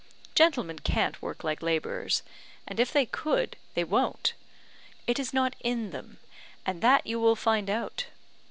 Gentlemen can't work like labourers, and if they could, they won't it is not in them, and that you will find out.